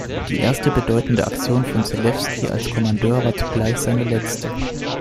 Die erste bedeutende Aktion von Zelewski als Kommandeur war zugleich seine letzte.